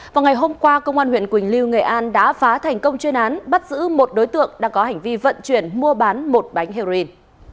vào ngày hôm qua công an huyện quỳnh lưu nghệ an đã phá thành công chuyên án bắt giữ một đối tượng đang có hành vi vận chuyển mua bán một bánh heroin